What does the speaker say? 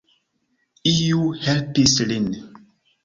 Iu helpis lin.